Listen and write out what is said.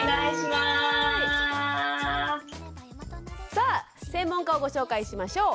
さあ専門家をご紹介しましょう。